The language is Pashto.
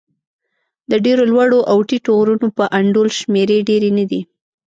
د ډېرو لوړو او ټیټو غرونو په انډول شمېرې ډېرې نه دي.